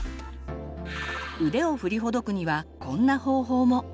腕を振りほどくにはこんな方法も。